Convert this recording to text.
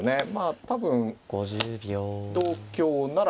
多分同香なら。